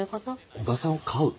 小田さんを飼う？